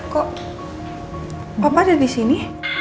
kok bapak ada di sini